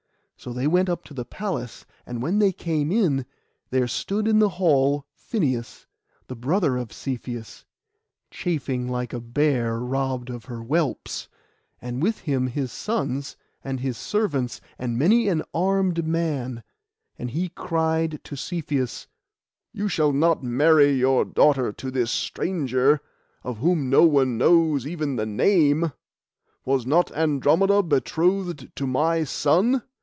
So they went up to the palace; and when they came in, there stood in the hall Phineus, the brother of Cepheus, chafing like a bear robbed of her whelps, and with him his sons, and his servants, and many an armed man; and he cried to Cepheus— 'You shall not marry your daughter to this stranger, of whom no one knows even the name. Was not Andromeda betrothed to my son?